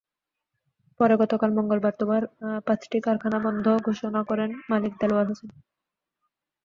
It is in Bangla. পরে গতকাল মঙ্গলবার তোবার পাঁচটি কারখানা বন্ধ ঘোষণা করেন মালিক দেলোয়ার হোসেন।